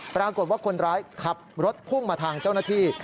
ปรากฏว่าคนร้ายขับรถพุ่งมาทางเจ้าหน้าที่